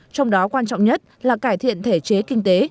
trong đó quan trọng nhất là cải thiện thể chế kinh tế